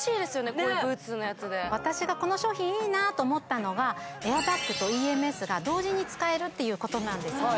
こういうブーツのやつで私がこの商品いいなと思ったのがエアバッグとＥＭＳが同時に使えるっていうことなんですね